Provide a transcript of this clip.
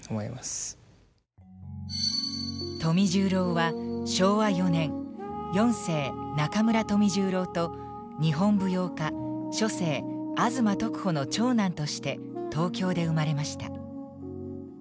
富十郎は昭和４年四世中村富十郎と日本舞踊家初世吾妻徳穂の長男として東京で生まれました。